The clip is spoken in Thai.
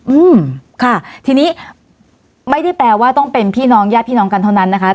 อืมค่ะทีนี้ไม่ได้แปลว่าต้องเป็นพี่น้องญาติพี่น้องกันเท่านั้นนะคะ